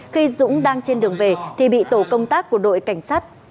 khi dũng đang trên đường về thì bị tổ công tác của đội cảnh sát